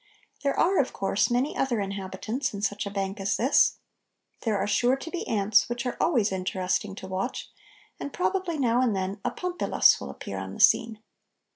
There are, of course, many other inhabitants in such a bank as this. There are sure to be ants, which are always interesting to watch, and probably now and then a Pompilus will appear on the scene.